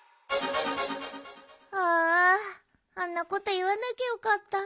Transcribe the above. ああんなこといわなきゃよかった。